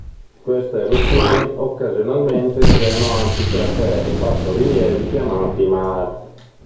Queste eruzioni occasionalmente creano ampi crateri, bassorilievi chiamati Maar.